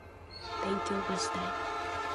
勉強がしたい